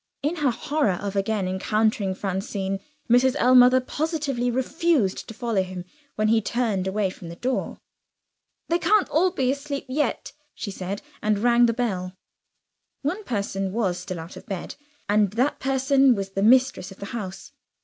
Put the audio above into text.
In her horror of again encountering Francine, Mrs. Ellmother positively refused to follow him when he turned away from the door. "They can't be all asleep yet," she said and rang the bell. One person was still out of bed and that person was the mistress of the house.